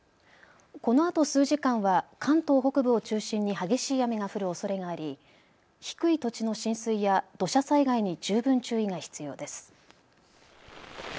このあと数時間は関東北部を中心に激しい雨が降るおそれがあり低い土地の浸水や土砂災害に十分注意が必要です。